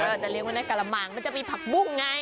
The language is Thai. เออจะเรียกมันในกะละมังมันจะมีผักบุ้งไง